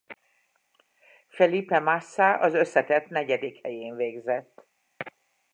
Felipe Massa az összetett negyedik helyén végzett.